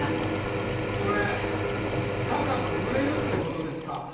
それ高く売れるってことですか？